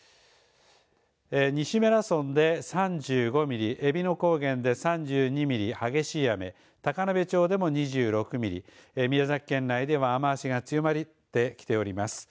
西米良村で３５ミリ、えびの高原で３２ミリ激しい雨、高鍋町でも２６ミリ宮崎県内では雨足が強まってきております。